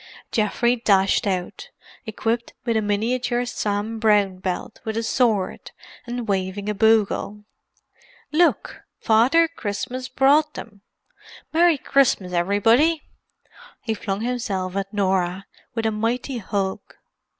Geoffrey dashed out, equipped with a miniature Sam Brown belt with a sword, and waving a bugle. "Look! Father Christmas brought them! Merry Christmas, everybody." He flung himself at Norah, with a mighty hug.